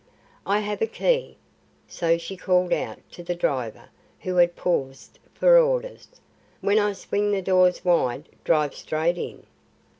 "I have a key," so she called out to the driver who had paused for orders. "When I swing the doors wide, drive straight in."